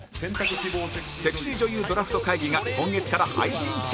セクシー女優ドラフト会議が今月から配信中